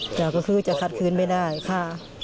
แต่ก็คือจะขัดคืนไม่ได้ค่ะ